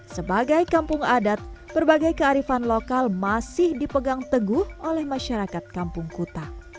sebagai kampung adat berbagai kearifan lokal masih dipegang teguh oleh masyarakat kampung kuta